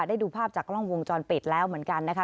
ได้ดูภาพจากกล้องวงจรปิดแล้วเหมือนกันนะคะ